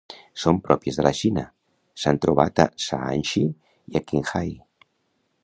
Són pròpies de la Xina; s'han trobat a Shaanxi i a Qinghai.